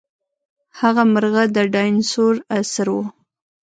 هغه مرغه د ډاینسور عصر وو.